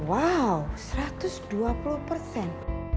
oke kalau begitu bulan depan